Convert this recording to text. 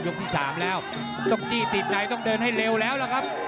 ที่๓แล้วต้องจี้ติดในต้องเดินให้เร็วแล้วล่ะครับ